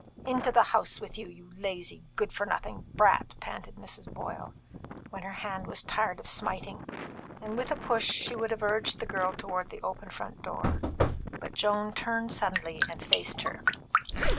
"Into the house with you, you lazy, good for nothing brat!" panted Mrs. Boyle, when her hand was tired of smiting; and with a push, she would have urged the girl towards the open front door, but Joan turned suddenly and faced her.